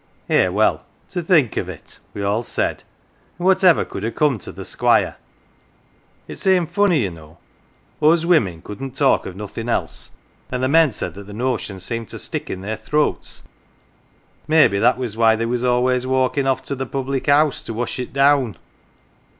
Eh, well, to think of it ! we all said, and what ever could have come to the Squire ! It seemed funny, ye know. Us women couldn't talk of nothing else, and the men said the notion seemed to stick in their throats 105 maybe that was why they was always walkin 1 off to the public house to wash it down